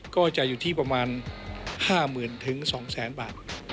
ก็จะอยู่ที่ประมาณ๕๐๐๐๒๐๐๐บาท